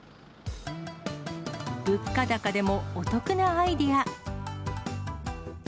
物価高でもお得なアイデア。